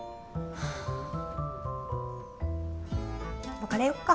別れよっか。